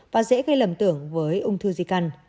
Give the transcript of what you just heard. và dễ gây lầm tưởng với ung thư zika